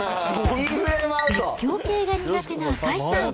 絶叫系が苦手な赤井さん。